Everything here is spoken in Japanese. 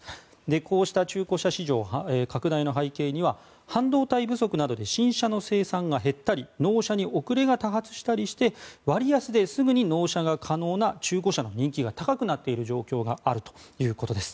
こうした中古車市場拡大の背景には半導体不足などで新車の生産が減ったり納車に遅れが多発したりして割安ですぐに納車可能な中古車の人気が高くなっている状況があるということです。